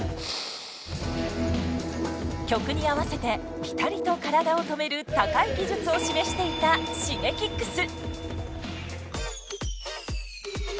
曲に合わせてぴたりと体を止める高い技術を示していたＳｈｉｇｅｋｉｘ。